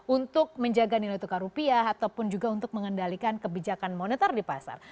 untuk menjaga nilai tukar rupiah ataupun juga untuk mengendalikan kebijakan moneter di pasar